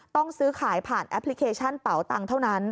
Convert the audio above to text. ต้องซื้อขายผ่านแอปพลิเคชันเป๋าตังค์เท่านั้น